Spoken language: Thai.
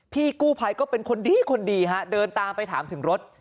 พี่กู้ภัยก็เป็นคนดีคนดีฮะเดินตามไปถามถึงรถ